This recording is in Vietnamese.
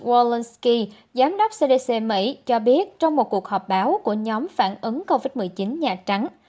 elensky giám đốc cdc mỹ cho biết trong một cuộc họp báo của nhóm phản ứng covid một mươi chín nhà trắng